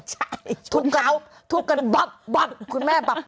ใช่ชุดเยาะทุกกันปะปะคุณแม่ปะปะ